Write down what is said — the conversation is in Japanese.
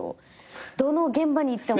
どの現場に行っても。